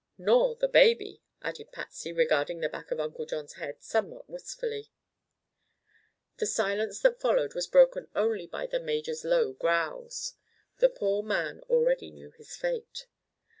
"Nor the baby," added Patsy, regarding the back of Uncle John's head somewhat wistfully. The silence that followed was broken only by the major's low growls. The poor man already knew his fate.